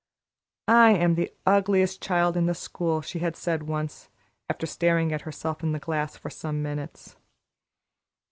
"I am the ugliest child in the school," she had said once, after staring at herself in the glass for some minutes.